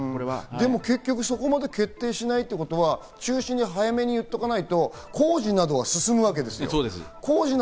結局そこまで決定しないってことは中止に早めにいっておかないと工事などは進むわけですよ。